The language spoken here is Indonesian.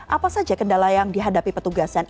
apa saja kendala yang dihadapi petugasan